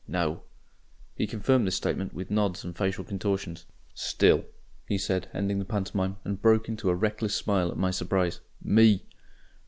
Now." He confirmed this statement with nods and facial contortions. "STILL," he said, ending the pantomime, and broke into a reckless smile at my surprise. "ME!"